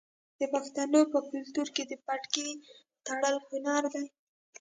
د پښتنو په کلتور کې د پټکي تړل هنر دی.